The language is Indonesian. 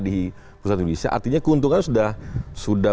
di pusat indonesia artinya keuntungan sudah